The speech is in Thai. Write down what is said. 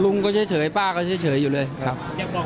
ลุงก็เฉยป้าก็เฉยอยู่เลยครับ